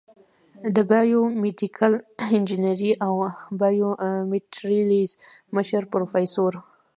د بایو میډیکل انجینرۍ او بایومیټریلز مشر پروفیسر